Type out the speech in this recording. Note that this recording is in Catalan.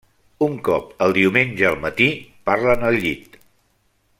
Un cop el diumenge al matí, parlen al llit.